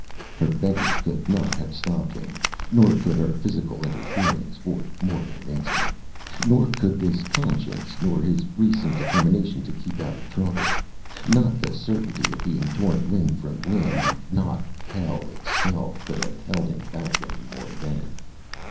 Her begging could not have stopped him. Nor could her physical interference for more than an instant. Nor could his conscience, nor his recent determination to keep out of trouble. Not the certainty of being torn limb from limb, and not hell, itself, could have held him back, anymore, then.